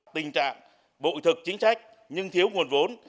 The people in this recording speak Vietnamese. tình trạng bội thực chính trách nhưng thiếu nguồn vốn